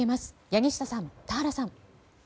柳下さん、田原さん。